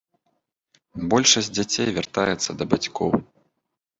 Большасць дзяцей вяртаецца да бацькоў.